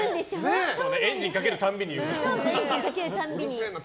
エンジンかけるたんびに言うからね。